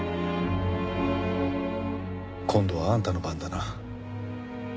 今度はあんたの番だな。